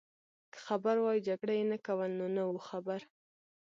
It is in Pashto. که خبر وای جګړه يې نه کول، نو نه وو خبر.